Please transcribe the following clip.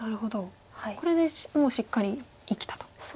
これでもうしっかり生きたと。